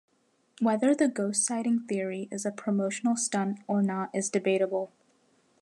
Whether the ghost sighting theory is a promotional stunt or not is debatable.